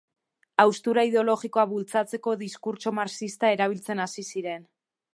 Haustura ideologikoa bultzatzeko diskurtso marxista erabiltzen hasi ziren.